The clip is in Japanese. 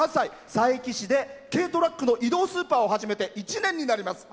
佐伯市で軽トラックの移動スーパーを始めて１年になります。